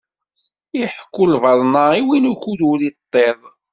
Iḥekku lbaḍna i win ukud ur iṭṭiḍ.